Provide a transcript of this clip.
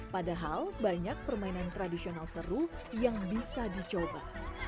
padahal banyak permainan tradisional seru yang bisa dicoba